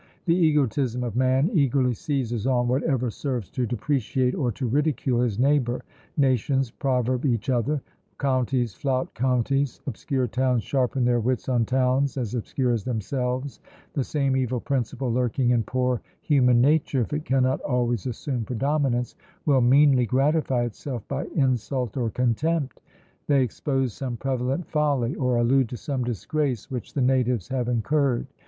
The egotism of man eagerly seizes on whatever serves to depreciate or to ridicule his neighbour: nations proverb each other; counties flout counties; obscure towns sharpen their wits on towns as obscure as themselves the same evil principle lurking in poor human nature, if it cannot always assume predominance, will meanly gratify itself by insult or contempt. They expose some prevalent folly, or allude to some disgrace which the natives have incurred.